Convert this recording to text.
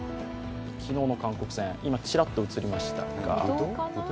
昨日の韓国戦、ちらっと映りました。